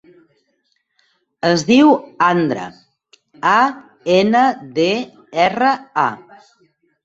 Es diu Andra: a, ena, de, erra, a.